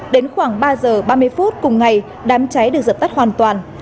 đến khoảng ba giờ ba mươi phút cùng ngày đám cháy được dập tắt hoàn toàn